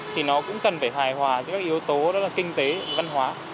thì nó cũng cần phải hài hòa giữa các yếu tố đó là kinh tế văn hóa